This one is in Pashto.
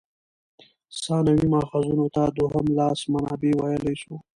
ثانوي ماخذونو ته دوهم لاس منابع ویلای سو.